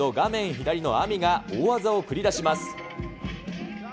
左のＡＭＩが大技を繰り出します。